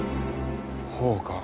ほうか。